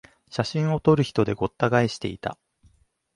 写真を撮る人でごった返していた